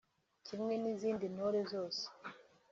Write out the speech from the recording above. Kimwe n’izindi ntore zose